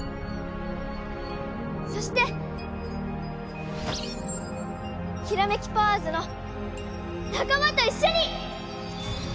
そしてキラメキパワーズの仲間と一緒に！